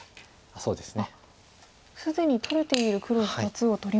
そうですね。